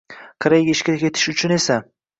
Koreyaga ishga ketish uchun esa